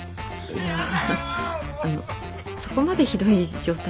いやあのそこまでひどい状態では。